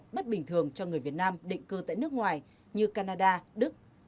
bất bình thường cho người việt nam định cư tại nước ngoài như canada đức